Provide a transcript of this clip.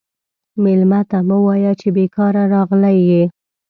مېلمه ته مه وایه چې بیکاره راغلی یې.